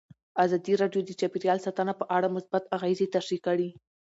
ازادي راډیو د چاپیریال ساتنه په اړه مثبت اغېزې تشریح کړي.